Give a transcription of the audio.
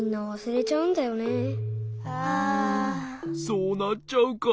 そうなっちゃうか。